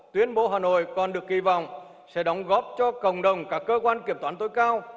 tuyên bố hà nội còn được kỳ vọng sẽ đóng góp cho cộng đồng các cơ quan kiểm toán tối cao